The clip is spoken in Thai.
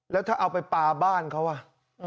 แล้วถ้าเอาไปปลาบ้านเขาอ่ะ